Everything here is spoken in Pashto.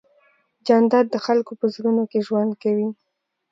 جانداد د خلکو په زړونو کې ژوند کوي.